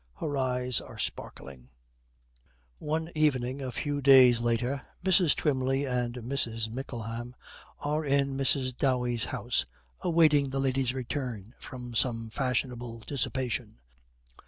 Her eyes are sparkling. One evening a few days later Mrs. Twymley and Mrs. Mickleham are in Mrs. Dowey's house, awaiting that lady's return from some fashionable dissipation.